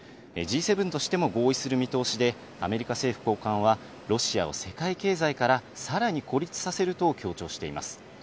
Ｇ７としても合意する見通しで、アメリカ政府高官は、ロシアを世界経済から、さらに孤立させると強調しています。